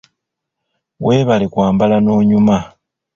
Weebale kwambala n'onyuma.